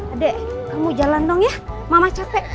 adek kamu jalan dong ya mama capek